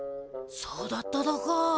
そうだっただか。